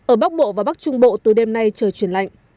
ở bắc bộ và bắc trung bộ từ đêm nay trời chuyển lạnh